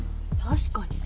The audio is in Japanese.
確かに。